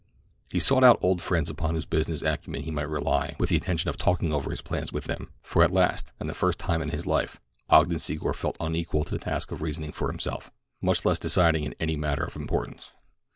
He sought out old friends upon whose business acumen he might rely with the intention of talking over his plans with them, for at last, and the first time in his life, Ogden Secor felt unequal to the task of reasoning for himself, much less deciding in any matter of importance.